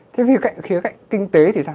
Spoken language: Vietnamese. thế về khía cạnh kinh tế thì sao